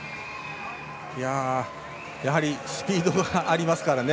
やはり、スピードがありますからね。